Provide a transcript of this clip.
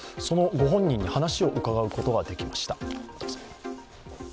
そのご本人に話を伺うことができました。